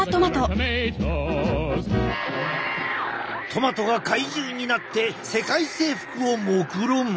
トマトが怪獣になって世界征服をもくろむ？